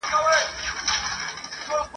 ستونی د شپېلۍ به نغمه نه لري ..